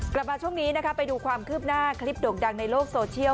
กลับมาช่วงนี้นะคะไปดูความคืบหน้าคลิปโด่งดังในโลกโซเชียล